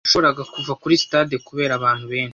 Sinashoboraga kuva kuri stade kubera abantu benshi.